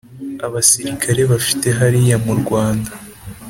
abasirikari bafite hariya mu rwanda